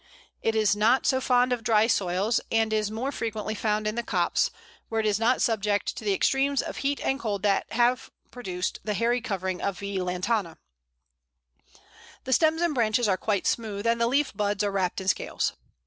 It is not so fond of dry soils, and is more frequently found in the copse, where it is not subject to the extremes of heat and cold that have produced the hairy covering of V. lantana. The stems and branches are quite smooth, and the leaf buds are wrapped in scales.